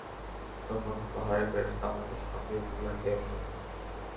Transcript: তখন পাহাড়ের ফেরেশতা আমাকে সালাম দিয়ে বললেন, হে মুহাম্মদ!